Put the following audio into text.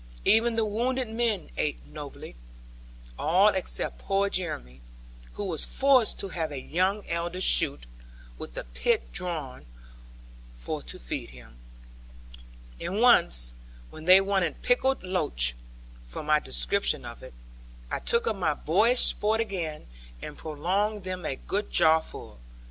Even the wounded men ate nobly; all except poor Jeremy, who was forced to have a young elder shoot, with the pith drawn, for to feed him. And once, when they wanted pickled loach (from my description of it), I took up my boyish sport again, and pronged them a good jarful.